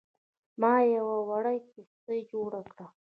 ما یوه وړه کښتۍ جوړه کړه.